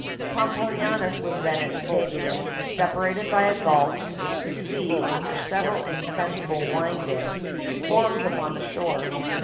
Pomponianus was then at Stabiae, separated by a gulf, which the sea, after several insensible windings, forms upon the shore.